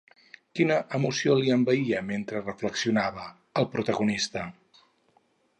Quina emoció l'envaïa mentre reflexionava, al protagonista?